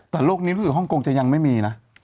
แต่โลกนี้รู้สึกฮ่องกงจะยังไม่มีนะ